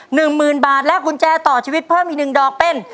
หนึ่งหมื่นบาทและกุญแจต่อชีวิตเพิ่มอีกหนึ่งดอกเป็น